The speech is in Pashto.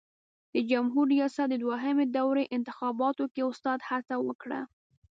د جمهوري ریاست د دوهمې دورې انتخاباتو کې استاد هڅه وکړه.